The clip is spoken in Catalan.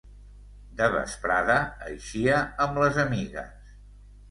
De vesprada eixia amb les amigues.